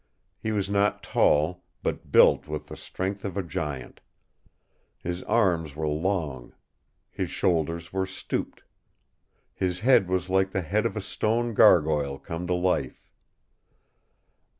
He was not tall, but built with the strength of a giant. His arms were long. His shoulders were stooped. His head was like the head of a stone gargoyle come to life.